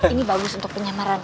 ini bagus untuk penyamaran